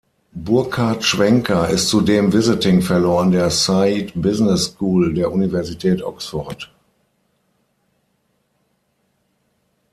Burkhard Schwenker ist zudem Visiting Fellow an der Saïd Business School der Universität Oxford.